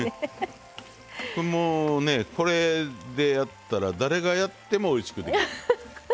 これもうねこれでやったら誰がやってもおいしくできます。